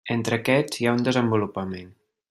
Entre aquests, hi ha un desenvolupament.